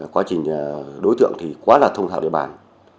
quá trình đối tượng quá là thông thạo địa bàn